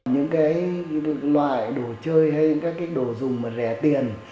những cái loại đồ chơi hay các cái đồ dùng mà rẻ tiền